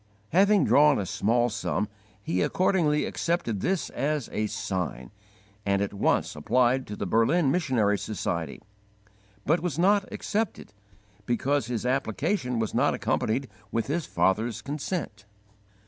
Having drawn a small sum, he accordingly accepted this as a 'sign,' and at once applied to the Berlin Missionary Society, but was not accepted because his application was not accompanied with his father's consent.